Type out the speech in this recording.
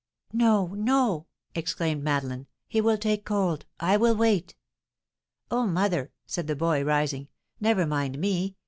"No, no," exclaimed Madeleine; "he will take cold. I will wait." "Oh, mother," said the boy, rising, "never mind me.